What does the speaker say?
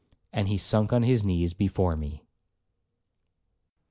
And he sunk on his knees before me.